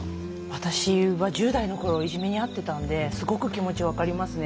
私は１０代の頃いじめに遭ってたのですごく気持ち分かりますね。